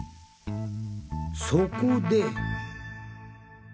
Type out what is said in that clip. そこで。